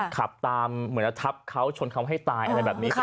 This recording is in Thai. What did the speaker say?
ขับตามเหมือนจะทับเขาชนเขาให้ตายอะไรแบบนี้